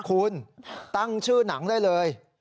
คุณตั้งชื่อหนังได้เลย